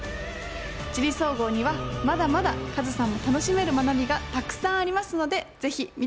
「地理総合」にはまだまだカズさんも楽しめる学びがたくさんありますので是非見てください。